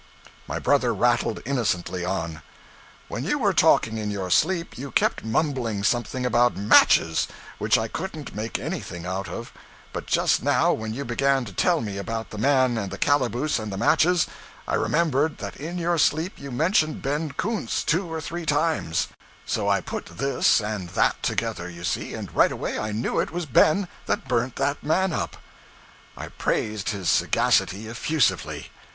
My brother rattled innocently on 'When you were talking in your sleep, you kept mumbling something about "matches," which I couldn't make anything out of; but just now, when you began to tell me about the man and the calaboose and the matches, I remembered that in your sleep you mentioned Ben Coontz two or three times; so I put this and that together, you see, and right away I knew it was Ben that burnt that man up.' I praised his sagacity effusively.